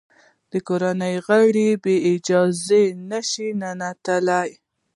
د کورنۍ غړي بې اجازې نه شي ننوتلای.